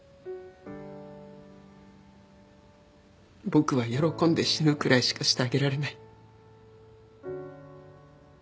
僕は喜んで死ぬくらいしかしてあげられない。